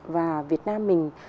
và việt nam mình